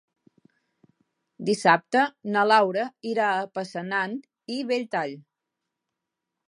Dissabte na Laura irà a Passanant i Belltall.